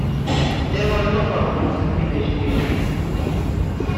There was no formal investigation.